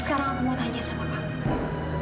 sekarang aku mau tanya sama kamu